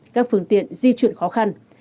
các phương tiện di chuyển khó khăn